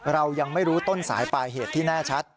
เรายังไม่รู้ต้นสายปลายเหตุที่แน่ชัด